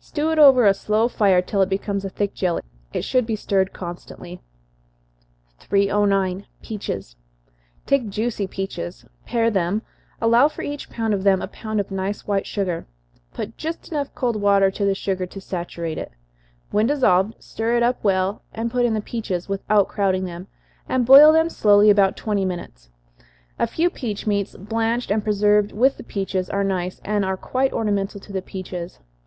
Stew it over a slow fire till it becomes a thick jelly. It should be stirred constantly. 309. Peaches. Take juicy peaches pare them, allow for each pound of them, a pound of nice white sugar. Put just cold water enough to the sugar to saturate it. When dissolved, stir it up well, and put in the peaches, without crowding them, and boil them slowly about twenty minutes. A few peach meats, blanched and preserved with the peaches, are nice, and are quite ornamental to the peaches.